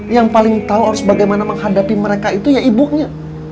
yang paling tahu harus bagaimana menghadapi mereka itu ya ibunya